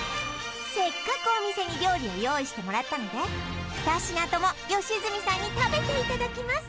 せっかくお店に料理を用意してもらったので２品とも良純さんに食べていただきます